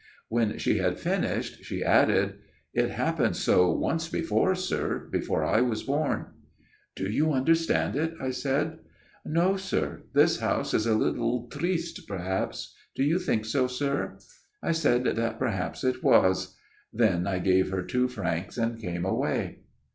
" When she had finished, she added : MY OWN TALE 299 "' It happened so once before, sir : before I was born.' "' Do you understand it ?' I said. ' No, sir ; the house is a little triste, perhaps. Do you think so, sir ?'" I said that perhaps it was. Then I gave her two francs and came away.